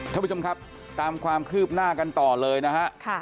ท่านผู้ชมครับตามความคืบหน้ากันต่อเลยนะฮะ